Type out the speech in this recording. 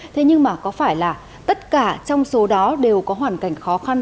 thế nhưng mà có phải là tất cả trong số đó đều có hoàn cảnh khó khăn